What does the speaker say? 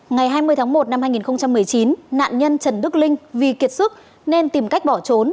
ngày hai mươi tháng một năm hai nghìn một mươi chín nạn nhân trần đức linh vì kiệt sức nên tìm cách bỏ trốn